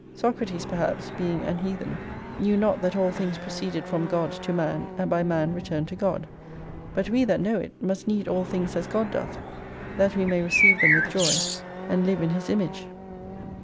Socrates, perhaps, being an heathen, knew not that all things proceeded from God to man, and by man returned to God : but we that know it must need all things as God doth, that we may receive them with joy, and live in His image.